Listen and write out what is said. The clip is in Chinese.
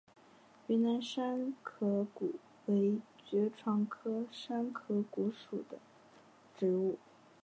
云南山壳骨为爵床科山壳骨属的植物。